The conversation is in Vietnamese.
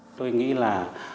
tôi nghĩ là